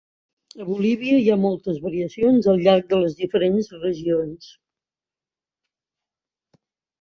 A Bolívia, hi ha moltes variacions al llarg de les diferents regions.